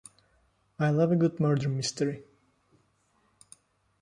I love a good murder mystery.